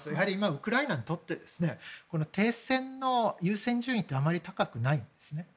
ウクライナにとって停戦の優先順位ってあまり高くないんですね。